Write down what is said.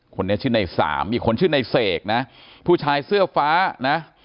คนนี้ชื่อในสามอีกคนชื่อในเสกนะผู้ชายเสื้อฟ้านะ